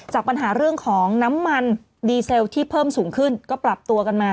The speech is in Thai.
จากปัญหาเรื่องของน้ำมันดีเซลที่เพิ่มสูงขึ้นก็ปรับตัวกันมา